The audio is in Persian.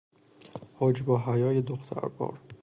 حجب و حیای دختروار